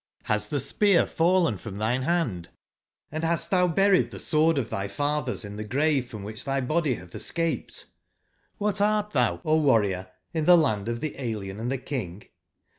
r)astbe spear fallen from tbine band, & bast tbou buried tbe sword of tby f atbers in tbe grave from wbicb tby body batb escaped ? (Hbat art tbou, O Warrior, in tbe land of tbe alien & tbe King?